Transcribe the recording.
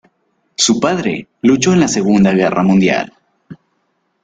Su padre luchó en la Segunda Guerra Mundial.